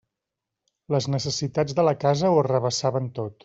Les necessitats de la casa ho arrabassaven tot.